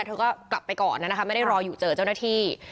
เธอก็กลับไปก่อนนะคะไม่ได้รออยู่เจอเจ้าหน้าที่